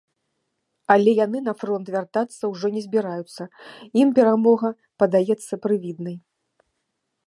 Але яны на фронт вяртацца ўжо не збіраюцца, ім перамога падаецца прывіднай.